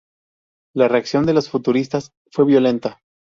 La reacción de los futuristas fue violenta.